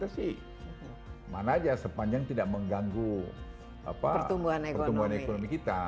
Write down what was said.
mana aja sepanjang tidak mengganggu pertumbuhan ekonomi kita